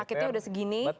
sakitnya sudah segini